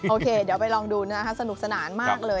โอเคเดี๋ยวไปลองดูนะฮะสนุกสนานมากเลย